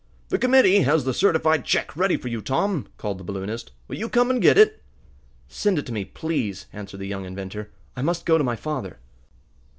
"The committee has the certified check ready for you, Tom," called the balloonist. "Will you come and get it?" "Send it to me, please," answered the young inventor. "I must go to my father."